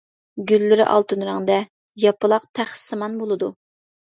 گۈللىرى ئالتۇن رەڭدە، ياپىلاق تەخسىسىمان بولىدۇ.